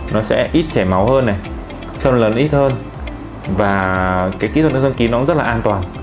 nó sẽ ít chảy máu hơn sơn lấn ít hơn và cái kỹ thuật nâng xoang kín nó cũng rất là an toàn